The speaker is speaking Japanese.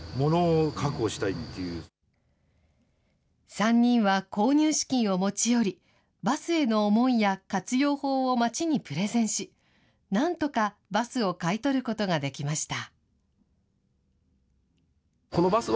３人は購入資金を持ち寄り、バスへの思いや活用法を町にプレゼンし、なんとかバスを買い取ることができました。